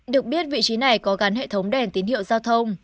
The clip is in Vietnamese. được biết vị trí này có gắn hệ thống đèn tín hiệu giao thông